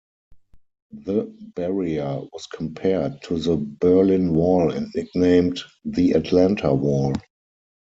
The barrier was compared to the Berlin wall and nicknamed the "Atlanta wall".